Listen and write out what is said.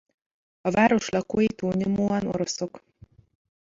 A város lakói túlnyomóan oroszok.